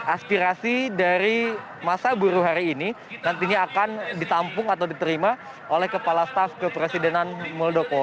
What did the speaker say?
aspirasi dari masa buruh hari ini nantinya akan ditampung atau diterima oleh kepala staff kepresidenan muldoko